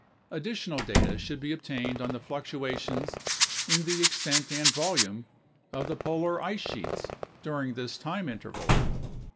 Additional data should be obtained on the fluctuations in the extent and volume of the polar ice sheets during this time interval.